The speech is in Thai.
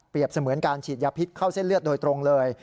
เสมือนการฉีดยาพิษเข้าเส้นเลือดโดยตรงเลย